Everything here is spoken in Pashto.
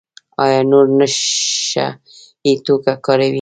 ایا نور نشه یي توکي کاروئ؟